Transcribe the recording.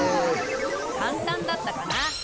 簡単だったかな。